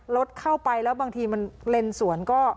รถเข้าไปแล้วบางทีมันเลนสวนก็